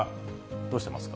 どうしてますか。